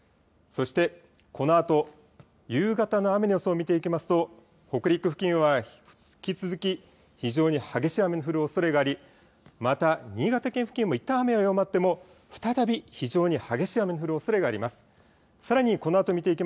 そしてこのあと夕方の雨の予想を見ていきますと北陸付近は引き続き非常に激しい雨の降るおそれがあり、また新潟県付近もいったん雨は弱まっても再び非常に激しい雨の降るおそれがあります。